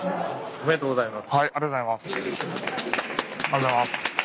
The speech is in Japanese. ありがとうございます。